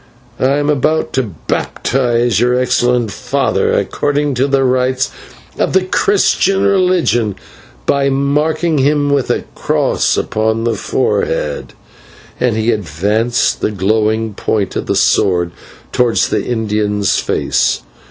"I am about to baptise your excellent father according to the rites of the Christian religion, by marking him with a cross upon the forehead," and he advanced the glowing point of the sword towards the Indian's face.